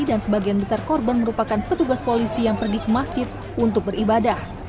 dan sebagian besar korban merupakan petugas polisi yang pergi ke masjid untuk beribadah